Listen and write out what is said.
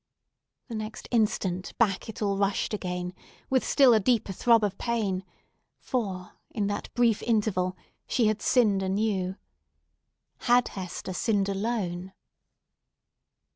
The next instant, back it all rushed again, with still a deeper throb of pain; for, in that brief interval, she had sinned anew. (Had Hester sinned alone?)